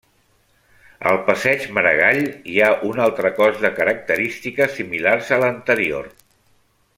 Al passeig Maragall hi ha un altre cos de característiques similars a l'anterior.